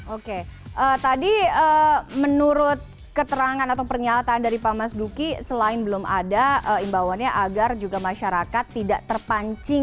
oke tadi menurut keterangan atau pernyataan dari pak mas duki selain belum ada imbauannya agar juga masyarakat tidak terpancing